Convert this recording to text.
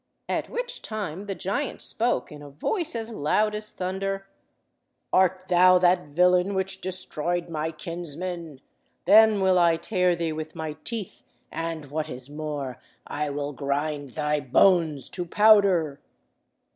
At which time the giant spoke, in a voice as loud as thunder— "Art thou that villain which destroyed my kinsmen? Then will I tear thee with my teeth, and, what is more, I will grind thy bones to powder."